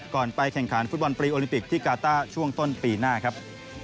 ไปแข่งขันฟุตบอลปรีโอลิมปิกที่กาต้าช่วงต้นปีหน้าครับ